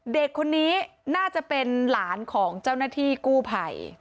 เด็กคนนี้น่าจะเป็นหลานของเจ้าหน้าที่กู้ภัย